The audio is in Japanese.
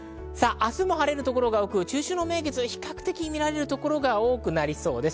明日も晴れる所が多く、中秋の名月が比較的見られるところが多くなりそうです。